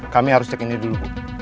kami harus cek ini dulu